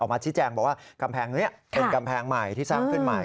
มาชี้แจงบอกว่ากำแพงนี้เป็นกำแพงใหม่ที่สร้างขึ้นใหม่